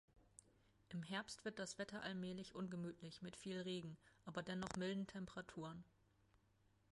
Im Herbst wird das Wetter allmählich ungemütlich mit viel Regen, aber dennoch milden Temperaturen.